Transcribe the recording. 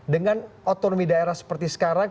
dengan otonomi daerah seperti sekarang